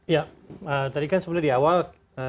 ya tadi kan sebenarnya di awal